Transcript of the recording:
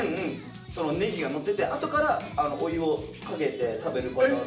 そのネギがのっててあとからお湯をかけて食べるパターン。